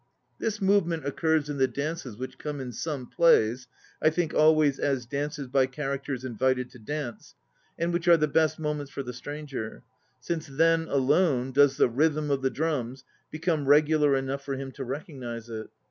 This movement occurs in the dances which come in some plays I think always as dances by characters invited to dance and which are the best moments for the stranger, since then alone does the rhythm of the drums become regular enough for him to recognize it.